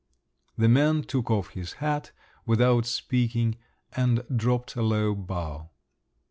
The man took off his hat, without speaking, and dropped a low bow.